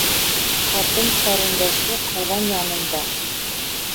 Ҡатын ҡәрендәше ҡаҙан янында